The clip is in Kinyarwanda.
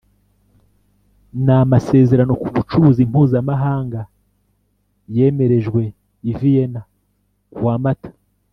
n amasezerano ku bucuruzi mpuzamahanga yemerejwe i vienna ku wa mata